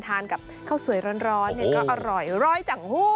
ทานกับข้าวสวยร้อนก็อร่อยร้อยจังหู้